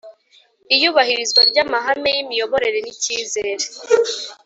Iyubahirizwa ry amahame y imiyoborere n icyizere